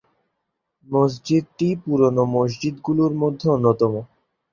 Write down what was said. মসজিদটি পুরনো মসজিদগুলোর মধ্যে অন্যতম।